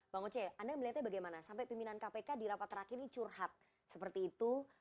bang oce anda melihatnya bagaimana sampai pimpinan kpk di rapat terakhir ini curhat seperti itu